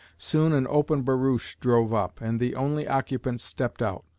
Soon an open barouche drove up, and the only occupant stepped out.